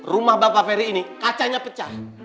rumah bapak ferry ini kacanya pecah